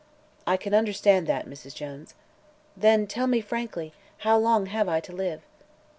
"I can understand that, Mrs. Jones." "Then tell me frankly, how long have I to live?"